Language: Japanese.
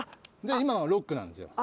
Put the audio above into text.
今はロックなんですよああ